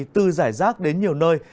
từ rải rác đến nhiều nơi